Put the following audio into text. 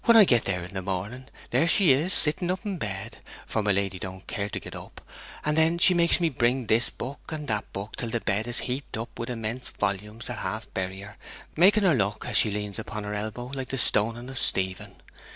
When I get there in the morning, there she is sitting up in bed, for my lady don't care to get up; and then she makes me bring this book and that book, till the bed is heaped up with immense volumes that half bury her, making her look, as she leans upon her elbow, like the stoning of Stephen.